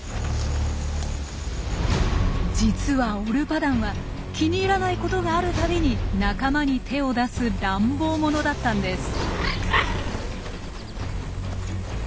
実はオルパダンは気に入らないことがあるたびに仲間に手を出す乱暴者だったんです。